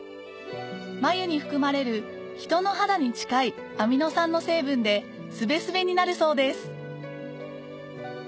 繭に含まれる人の肌に近いアミノ酸の成分でスベスベになるそうです